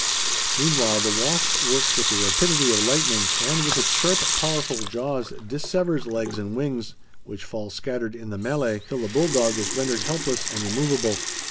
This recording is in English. Meanwhile the wasp works with the rapidity of lightning, and with its sharp powerful jaws dis severs legs and wings, which fall scattered in the melee, till the bull dog is rendered helpless and immovable.